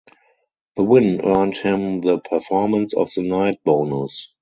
The win earned him the "Performance of the Night" bonus.